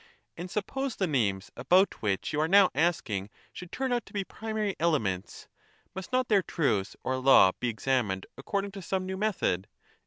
And suppose the names about which you are now asking should turn out to be primary elements, must not their truth or law be examined according to some new method